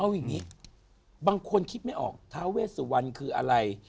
เอาอย่างนี้บางคนคิดไม่ออกท้าเวสวรรณคืออะไร